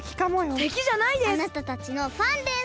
あなたたちのファンです！